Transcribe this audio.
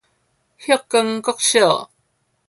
旭光國小